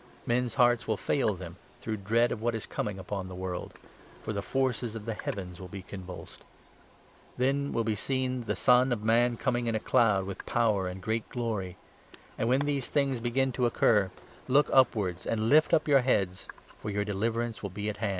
Men's hearts will fail them through dread of what is coming 26 upon the world ; for ' the forces of the heavens will be con vulsed.' Then will be seen the ' Son of Man coming in a cloud ' 27 with power and great glory. And, when these things 28 begin to occur, look upwards and lift your heads, for your deliverance will be at hand."